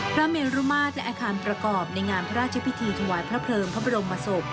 พระเมรุมาตรและอาคารประกอบในงานพระราชพิธีถวายพระเพลิงพระบรมศพ